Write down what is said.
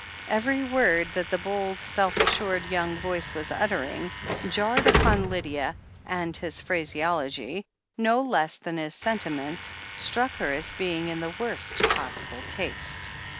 Every word that the bold, self assured yotmg voice was uttering jarred upon Lydia, and his phraseology, no less than his sentiments, struck her as being in the worst possible taste.